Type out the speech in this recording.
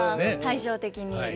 対照的に。